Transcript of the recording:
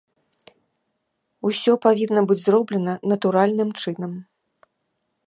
Усё павінна быць зроблена натуральным чынам.